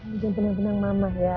jangan tenang tenang mama ya